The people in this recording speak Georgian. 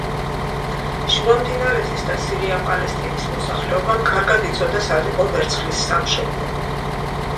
შუამდინარეთის და სირია-პალესტინის მოსახლეობამ კარგად იცოდა, სად იყო ვერცხლის სამშობლო.